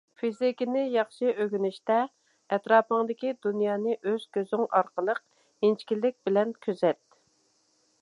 فىزىكىنى ياخشى ئۆگىنىشتە، ئەتراپىڭدىكى دۇنيانى ئۆز كۆزۈڭ ئارقىلىق ئىنچىكىلىك بىلەن كۆزەت.